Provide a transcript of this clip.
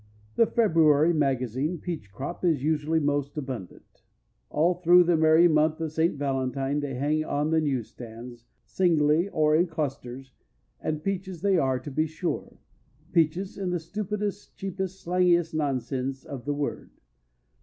The February magazine peach crop is usually most abundant—All through the merry month of Saint Valentine they hang on the news stands, singly or in clusters, and Peaches they are to be sure—Peaches in the stupidest, cheapest, slangiest nonsense of the word.